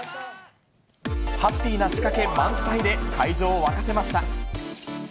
ハッピーな仕掛け満載で、会場を沸かせました。